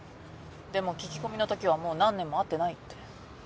でも聞き込みのときはもう何年も会ってないって。